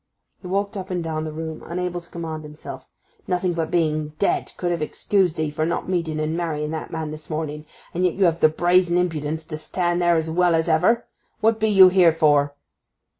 He walked up and down the room, unable to command himself. 'Nothing but being dead could have excused 'ee for not meeting and marrying that man this morning; and yet you have the brazen impudence to stand there as well as ever! What be you here for?